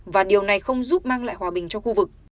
và điều này không giúp mang lại hòa bình cho khu vực